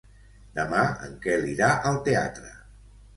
Demà en Quel irà al teatre.